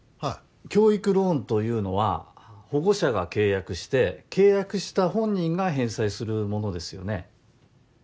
教育ローンというのは保護者が契約して契約した本人が返済するものですよね？